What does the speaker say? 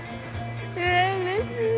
ええーうれしい！